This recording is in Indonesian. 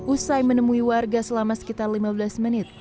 usai menemui warga selama sekitar lima belas menit